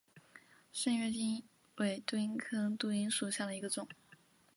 滇越杜英为杜英科杜英属下的一个种。